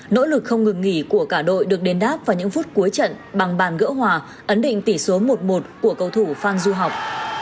nỗ lực không ngừng nghỉ của cả đội được đền đáp vào những phút cuối trận bằng bàn gỡ hòa ấn định tỷ số một một của cầu thủ phan du học